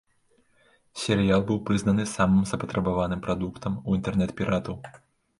Серыял быў прызнаны самым запатрабаваным прадуктам у інтэрнэт-піратаў.